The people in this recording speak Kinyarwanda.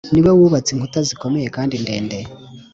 Ni we wubatse inkuta zikomeye kandi ndende,